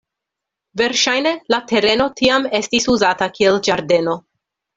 Verŝajne la tereno tiam estis uzata kiel ĝardeno.